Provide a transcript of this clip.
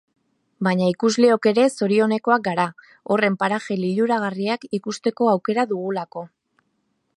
Baina ikusleok ere zorionekoak gara, horren paraje liluragarriak ikusteko aukera dugulako.